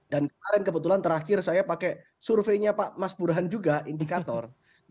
dan kebetulan terakhir saya pakai surveinya pak mas burhan juga indikator